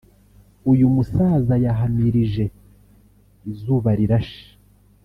uyu musaza yahamirije Izubarirashe